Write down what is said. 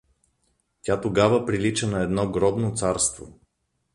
Тя тогава прилича на едно гробно царство.